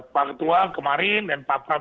pak ketua kemarin dan pak pram